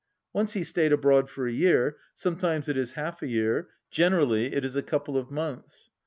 Once he stayed abroad for a year, sometimes it is half a year, generally it is a couple of months.